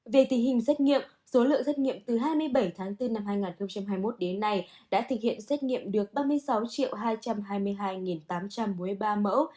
về tình hình xét nghiệm số lượng xét nghiệm từ hai mươi bảy tháng bốn năm hai nghìn hai mươi một đến nay đã thực hiện xét nghiệm được ba mươi sáu hai trăm hai mươi hai tám trăm bốn mươi ba mẫu